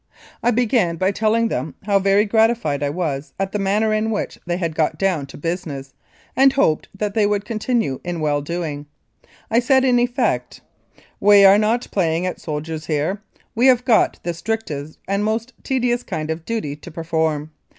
I began by telling them how very gratified I was at the manner in which they had got down to business, and hoped that they would continue in well doing. I said in effect :" We are not playing at soldiers here ; we have got the strictest and most tedious kind of duty to perform.